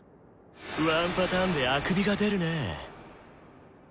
ワンパターンであくびが出るね。